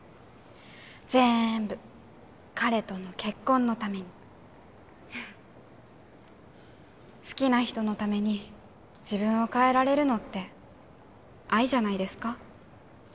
ぜーんぶ彼との結婚のために好きな人のために自分を変えられるのって愛じゃないですか